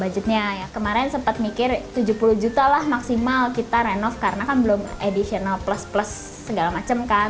tujuh puluh juta lah maksimal kita renov karena kan belum additional plus plus segala macem kan